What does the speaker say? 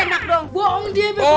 enak dong bohong dia bos